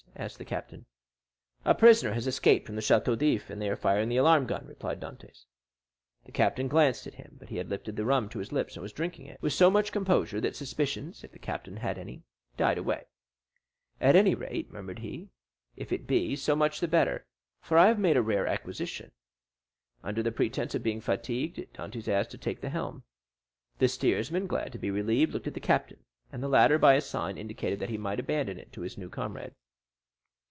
asked the captain. "A prisoner has escaped from the Château d'If, and they are firing the alarm gun," replied Dantès. The captain glanced at him, but he had lifted the rum to his lips and was drinking it with so much composure, that suspicions, if the captain had any, died away. 0277m "Pretty strong rum!" said Dantès, wiping his brow with his sleeve. "At any rate," murmured he, "if it be, so much the better, for I have made a rare acquisition." 0279m Under pretence of being fatigued, Dantès asked to take the helm; the steersman, glad to be relieved, looked at the captain, and the latter by a sign indicated that he might abandon it to his new comrade.